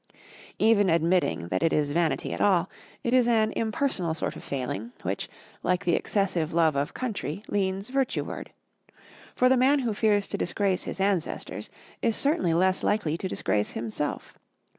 Even admitting that it is vanity at all, it is an impersonal sort of failing, which, like the excessive love of country, leans virtueward; for the man who fears to disgrace his ancestors is certainly less likely to disgrace himself.